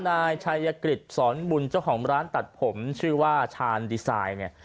นายชายกฤษสอนบุญเจ้าของร้านตัดผมชื่อว่าชาญดีไซน์เนี่ย